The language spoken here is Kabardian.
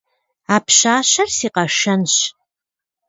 А пщащэр си къэшэнщ.